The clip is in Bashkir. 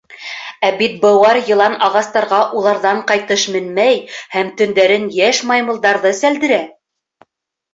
Ә бит быуар йылан ағастарға уларҙан ҡайтыш менмәй һәм төндәрен йәш маймылдарҙы сәлдерә.